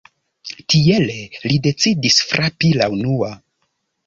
Tiele li decidis frapi la unua.